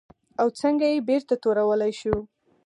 او څنګه یې بېرته تورولی شو؟